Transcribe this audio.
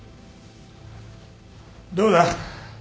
どうだ？